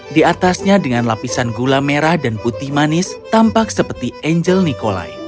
di atasnya dengan lapisan gula merah dan putih manis tampak seperti angel nikolai